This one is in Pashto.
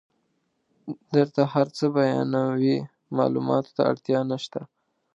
درته هر څه بیانوي معلوماتو ته اړتیا نشته.